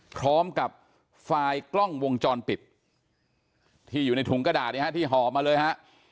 พร้อมกับไฟล์กล้องวงจรปิดที่อยู่ในถุงกระดาษที่ห่อมาเลยฮะ